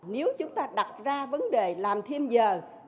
nếu chúng ta đặt ra vấn đề làm thêm giờ